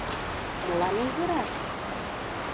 Молан ойгыраш?